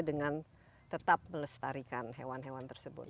dengan tetap melestarikan hewan hewan tersebut